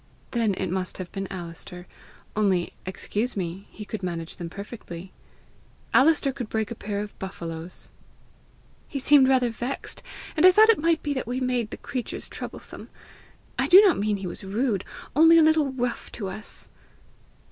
"Then it must have been Alister only, excuse me, he could manage them perfectly. Alister could break a pair of buffaloes." "He seemed rather vexed, and I thought it might be that we made the creatures troublesome. I do not mean he was rude only a little rough to us."